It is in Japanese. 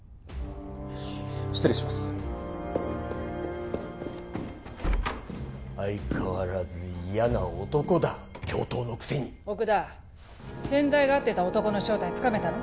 失礼します相変わらず嫌な男だ教頭のくせに奥田先代が会ってた男の正体つかめたの？